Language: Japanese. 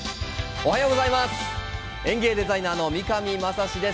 おはようございます。